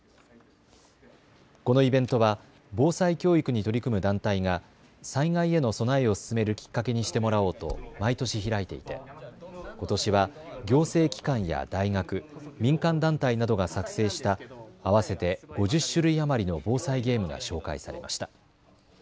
このイベントは防災教育に取り組む団体が災害への備えを進めるきっかけにしてもらおうと毎年開いていてことしは行政機関や大学、民間団体などが作成した合わせて５０種類余りの防災ゲームが紹介されました。